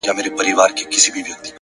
چې اوښیار وي هغه پوئې پۀ اشاره شي